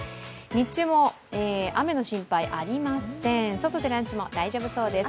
日中も雨の心配ありません、外でランチも大丈夫そうです。